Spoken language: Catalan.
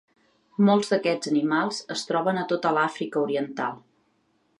Molts d’aquests animals es troben a tota l’Àfrica oriental.